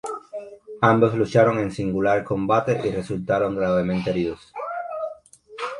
Ambos lucharon en singular combate y resultaron gravemente heridos.